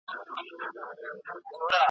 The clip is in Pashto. په خوښۍ د مدرسې پر لور روان وه .